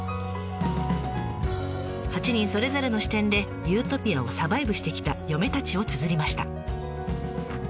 ８人それぞれの視点でユートピアをサバイブしてきた嫁たちをつづりました。